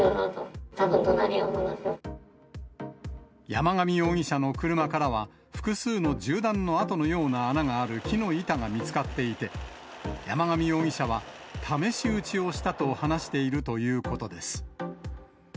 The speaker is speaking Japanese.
山上容疑者の車からは、複数の銃弾の痕のような穴がある木の板が見つかっていて、山上容疑者は試し撃ちをしたと話しているということです。